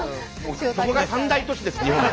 そこが三大都市です日本の。